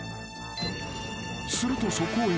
［するとそこへ］